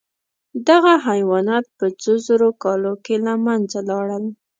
دغه حیوانات په څو زرو کالو کې له منځه لاړل.